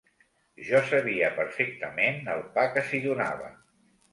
Jo sabia perfectament el pa que s'hi donava